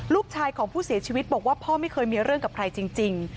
ลูกชายของผู้เสียชีวิตบอกว่าพ่อไม่เคยมีเรื่องกับใครจริง